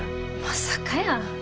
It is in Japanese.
まさかやー。